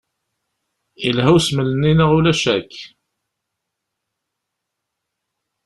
Yelha usmel-nni neɣ ulac akk?